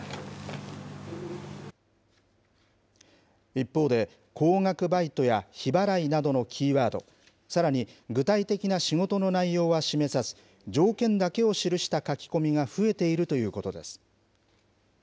一方で、高額バイトや日払いなどのキーワード、さらに具体的な仕事の内容は示さず、条件だけを記した書き込みが増えているということです。